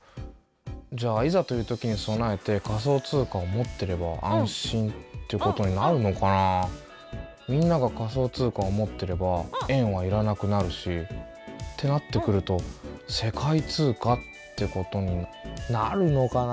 じゃあいざというときに備えて仮想通貨を持ってれば安心ってことになるのかな。みんなが仮想通貨を持ってれば円はいらなくなるしってなってくると世界通貨ってことになるのかな？